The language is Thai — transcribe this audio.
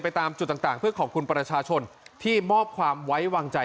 ตามจุดต่างเพื่อขอบคุณประชาชนที่มอบความไว้วางใจ